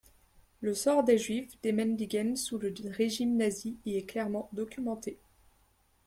Le sort des Juifs d'Emmendingen sous le régime nazi y est clairement documenté.